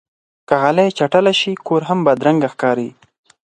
که غالۍ چټله شي، کور هم بدرنګه ښکاري.